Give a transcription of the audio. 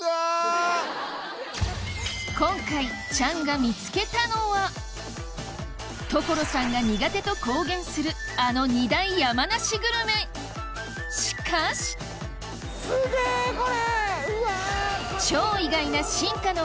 今回チャンが見つけたのは所さんが苦手と公言するあの二大山梨グルメしかしすげぇこれ！